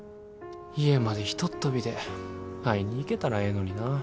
家までひとっ飛びで会いに行けたらええのにな。